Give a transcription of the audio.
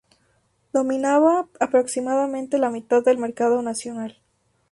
Dominaba aproximadamente la mitad del mercado nacional.